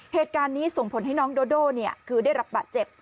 เหตุการณ์นี้ส่งผลให้น้องโดโด่คือได้รับบาดเจ็บ